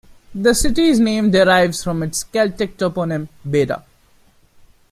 The city's name derives from its Celtic toponym, "Beda".